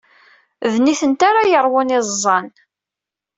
D nitenti ara yeṛwun iẓẓan.